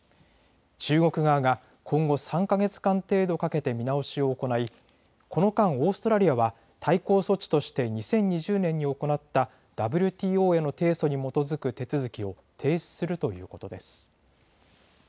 中国側が今後３か月間程度かけて見直しを行いこの間、オーストラリアは対抗措置として２０２０年に行ったＷＴＯへの提訴に基づく手続きを停止するということです。